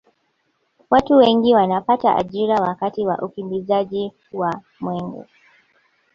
watu wengi wanapata ajira wakati wa ukimbizaji wa mwenge